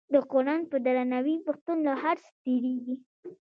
د قران په درناوي پښتون له هر څه تیریږي.